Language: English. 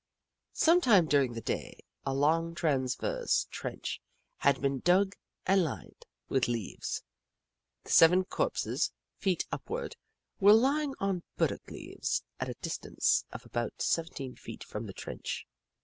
Sometime during the day, a long, trans verse trench had been dug and lined with leaves. The seven corpses, feet upward, were lying on burdock leaves at a distance of about seventeen feet from the trench.